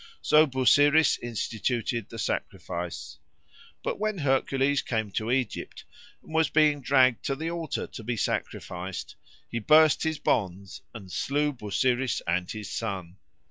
So Busiris instituted the sacrifice. But when Hercules came to Egypt, and was being dragged to the altar to be sacrificed, he burst his bonds and slew Busiris and his son.